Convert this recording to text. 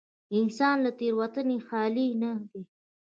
انسان له تېروتنې خالي نه دی.